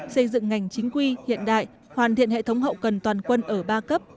xây dựng ngành chính quy hiện đại hoàn thiện hệ thống hậu cần toàn quân ở ba cấp